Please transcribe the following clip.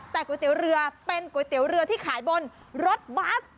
แต่ก๋วยเตี๋ยวเรือเป็นก๋วยเตี๋ยวเรือที่ขายบนรถบัส